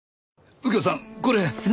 右京さんこれ！